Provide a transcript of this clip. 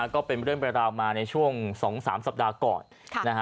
ก็เป็นเรื่องบรรยาลมาในช่วง๒๓สัปดาห์ก่อน